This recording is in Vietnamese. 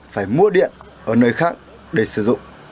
phải mua điện ở nơi khác để sử dụng